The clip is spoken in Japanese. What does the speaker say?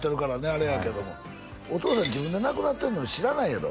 あれやけどもお父さん自分で亡くなってるの知らないやろ？